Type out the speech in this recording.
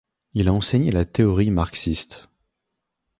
Il a enseigné la théorie marxiste.